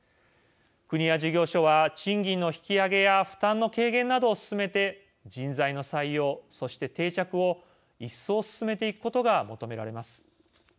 国や事業所は賃金の引き上げや負担の軽減などを進めて人材の採用、そして定着を一層進めていくことが求められます。